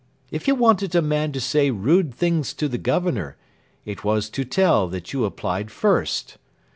If you wanted a man to say rude things to the Governor, it was to Tell that you applied first.